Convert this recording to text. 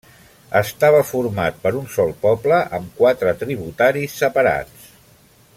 Estava format per un sol poble amb quatre tributaris separats.